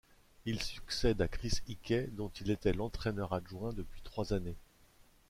Il succède à Chris Hickey dont il était l'entraîneur adjoint depuis trois années.